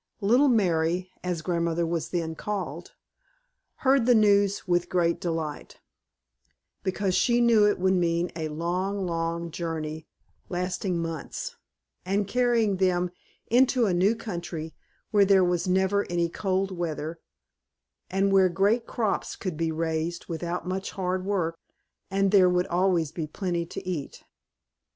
Little Mary, as grandmother was then called, heard the news with great delight, because she knew it would mean a long, long journey, lasting months, and carrying them into a new country, where there was never any cold weather and where great crops could be raised without much hard work, and there would always be plenty to eat.